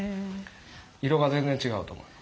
色が全然違うと思います。